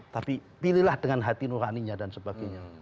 tapi pilihlah dengan hati nuraninya dan sebagainya